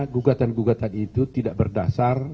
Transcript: gugatan gugatan itu tidak berdasar